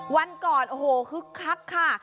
วันก่อนโอ้โหคึกคักค่ะ